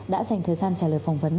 đã dành thời gian trả lời phỏng vấn